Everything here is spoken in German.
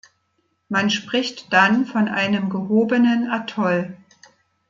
Man spricht dann von einem „gehobenen Atoll“.